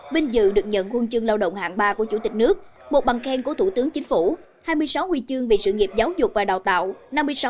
bình dự được nhận huân chương lao động hạng ba của chủ tịch nước một bằng khen của thủ tướng chính phủ hai mươi sáu huy chương vì sự nghiệp giáo dục và đào tạo